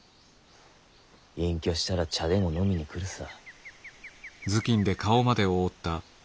隠居したら茶でも飲みに来るさ。